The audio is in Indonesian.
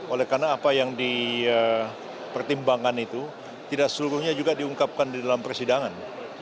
oleh karena apa yang dipertimbangkan itu tidak seluruhnya juga diungkapkan di dalam persidangan